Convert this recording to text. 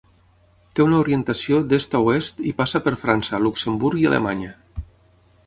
Té una orientació d'est a oest i passa per França, Luxemburg i Alemanya.